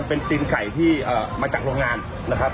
เป็นตีนไก่ที่มาจากโรงงานนะครับ